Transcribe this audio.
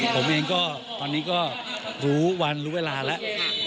ผมเองก็ตอนนี้ก็รู้วันรู้เวลาแล้ว